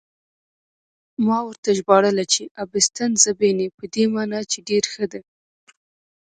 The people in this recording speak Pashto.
ما ورته ژباړله چې: 'Abbastanza bene' په دې مانا چې ډېره ښه ده.